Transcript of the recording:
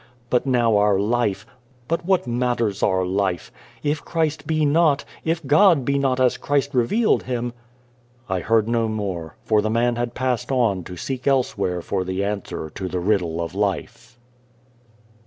But now our life ! but what matters our life ? If Christ be 196 and the Devil not ; if God be not as Christ revealed Him" I heard no more, for the man had passed on to seek elsewhere for the answer to the Riddle of Life.